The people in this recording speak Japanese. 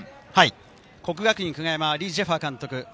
國學院久我山、リ・ジェファ監督。